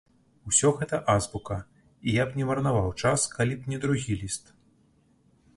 Усё гэта азбука, і я б не марнаваў час, калі б не другі ліст.